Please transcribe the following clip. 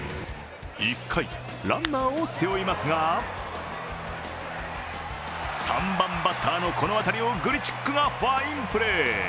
１回、ランナーを背負いますが３番バッターのこの当たりをグリチックがファインプレー。